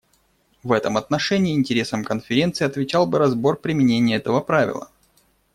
В этом отношении интересам Конференции отвечал бы разбор применения этого правила.